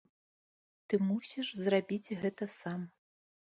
Ты мусіш зрабіць гэта сам.